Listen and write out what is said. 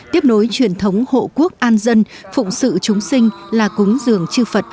tiếp nối truyền thống hộ quốc an dân phụng sự chúng sinh là cúng giường chư phật